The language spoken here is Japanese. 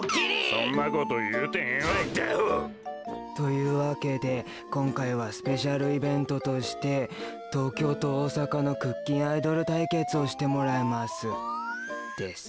そんなこというてへんわどアホ！というわけでこんかいはスペシャルイベントとして東京と大阪のクッキンアイドルたいけつをしてもらいますです。